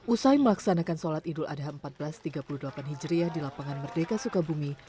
usai melaksanakan sholat idul adha seribu empat ratus tiga puluh delapan hijriah di lapangan merdeka sukabumi